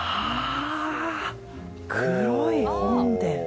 黒い本殿。